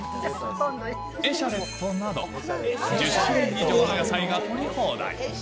エシャレットなど、１０種類以上の野菜が取り放題。